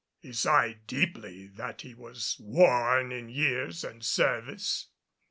He sighed deeply that he was worn in years and service.